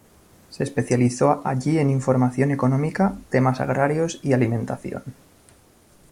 Se especializó allí en información económica, temas agrarios y alimentación.